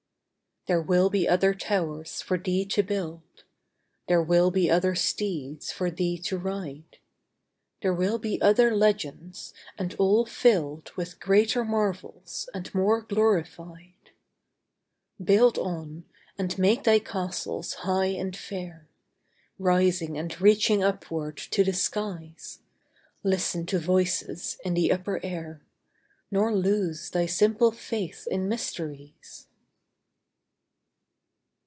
There will be other towers for thee to build; There will be other steeds for thee to ride; There will be other legends, and all filled With greater marvels and more glorified. Build on, and make thy castles high and fair, Rising and reaching upward to the skies; Listen to voices in the upper air, Nor lose thy simple faith in mysteries.